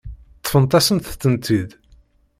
Ṭṭfent-asent-tent-id.